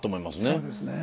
そうですね。